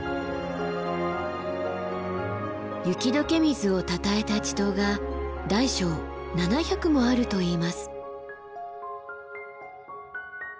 雪解け水をたたえた池塘が大小７００もあるといいます。